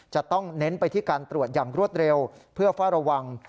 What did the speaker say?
จะต้องเน้นไปที่การตรวจอย่างรวดเร็วเพื่อเฝ้าระวัง